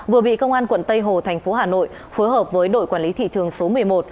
vừa bị công an quận tây hồ thành phố hà nội phối hợp với đội quản lý thị trường số một mươi một